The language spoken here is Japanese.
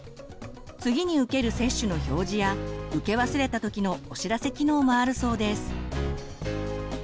次に受ける接種の表示や受け忘れた時のお知らせ機能もあるそうです。